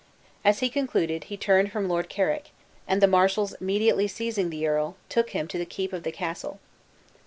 As he concluded he turned from Lord Carrick; and the marshals immediately seizing the earl, took him to the keep of the castle.